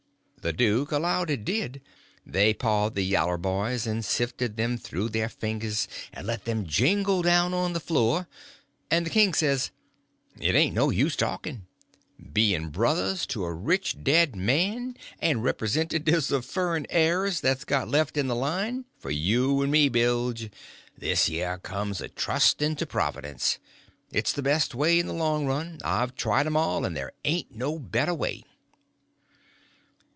The duke allowed it did. They pawed the yaller boys, and sifted them through their fingers and let them jingle down on the floor; and the king says: "It ain't no use talkin'; bein' brothers to a rich dead man and representatives of furrin heirs that's got left is the line for you and me, Bilge. Thish yer comes of trust'n to Providence. It's the best way, in the long run. I've tried 'em all, and ther' ain't no better way."